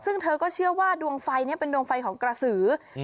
ซึ่งเธอก็เชื่อว่าดวงไฟนี้เป็นดวงไฟของกระสือ